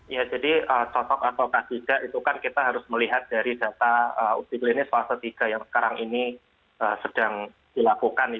ya jadi cocok atau tidak itu kan kita harus melihat dari data uji klinis fase tiga yang sekarang ini sedang dilakukan